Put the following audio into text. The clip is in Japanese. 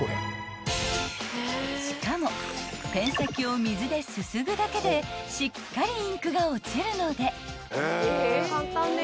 ［しかもペン先を水ですすぐだけでしっかりインクが落ちるので］